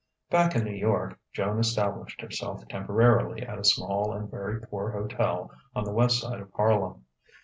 Back in New York, Joan established herself temporarily at a small and very poor hotel on the west side of Harlem.